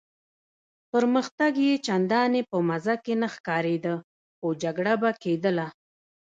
پرمختګ یې چنداني په مزه کې نه ښکارېده، خو جګړه به کېدله.